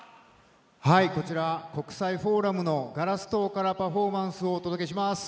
こちら、国際フォーラムのガラス棟からパフォーマンスをお届けします。